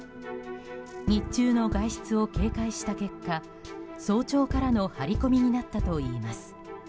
日中の外出を警戒した結果早朝からの張り込みになったといいます。